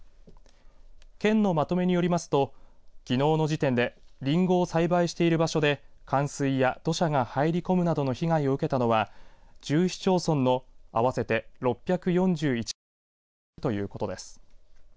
県のまとめによりますときのうの時点でりんごを栽培している場所で冠水や土砂が入り込むなどの被害を受けたのは１０市町村の合わせて６４１ヘクタールに上るということです。